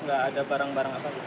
nggak ada barang barang apa apa